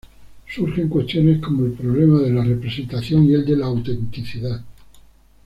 Surgen cuestiones como el problema de la representación y el de la autenticidad.